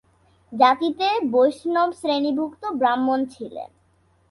জাতিতে বৈষ্ণব শ্রেণিভুক্ত ব্রাহ্মণ ছিলেন।